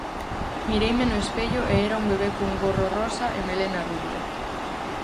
Mireime no espello e era un bebé cun gorro rosa e melena rubia.